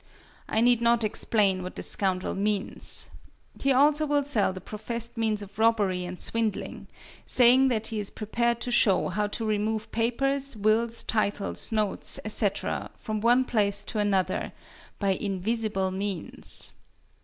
I need not explain what this scoundrel means. He also will sell the professed means of robbery and swindling; saying that he is prepared to show how to remove papers, wills, titles, notes, etc., from one place to another "by invisible means."